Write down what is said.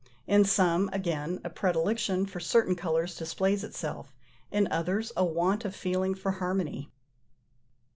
In some, again, a predilection for certain colours displays itself; in others a want of feeling for harmony.